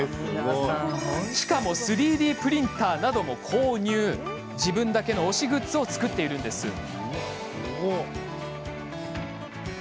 しかも３Ｄプリンターなども購入し自分だけの推しグッズを作っているんです。